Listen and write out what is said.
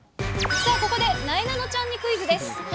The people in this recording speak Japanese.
さあ、ここでなえなのちゃんにクイズです。